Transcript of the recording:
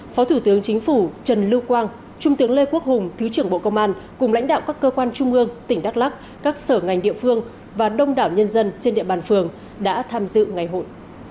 phó thủ tướng chính phủ trần lưu quang trung tướng lê quốc hùng thứ trưởng bộ công an cùng lãnh đạo các cơ quan trung ương tỉnh đắk lắc các sở ngành địa phương và đông đảo nhân dân trên địa bàn phường đã tham dự ngày hội